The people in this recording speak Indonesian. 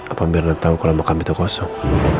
apa mirna tahu kalau makam itu kosong